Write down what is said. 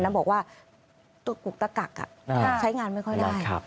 แล้วบอกว่าตัวกุกตะกักใช้งานไม่ค่อยได้